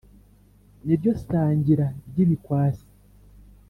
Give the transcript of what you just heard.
Ni ryo sangira ry’ibikwasi